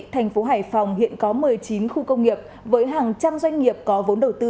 thành phố hải phòng hiện có một mươi chín khu công nghiệp với hàng trăm doanh nghiệp có vốn đầu tư